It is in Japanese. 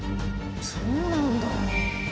そうなんだ。